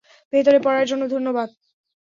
ভেতরে পড়ার জন্য ধন্যবাদ।